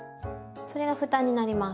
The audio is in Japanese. それが蓋になります。